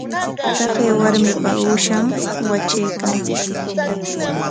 Taqay warmi uushan watraykan.